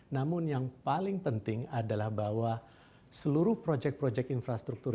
namun yang paling penting adalah bahwa seluruh proyek proyek infrastruktur